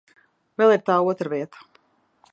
Vēl ir tā otra vieta.